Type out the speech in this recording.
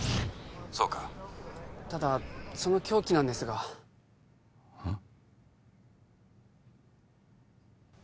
☎そうかただその凶器なんですがうん？